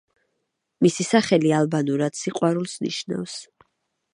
მისი სახელი ალბანურად „სიყვარულს“ ნიშნავს.